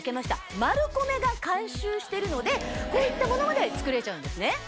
してるのでこういったものまで作れちゃうんですね。